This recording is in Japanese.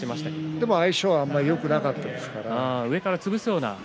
でも相性はもうよくなかったですね。